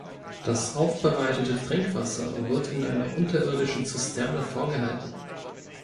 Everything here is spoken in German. Das aufbereitete Trinkwasser wird in einer unterirdischen Zisterne vorgehalten.